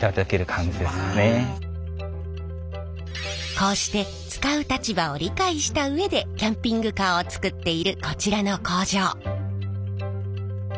こうして使う立場を理解した上でキャンピングカーを作っているこちらの工場。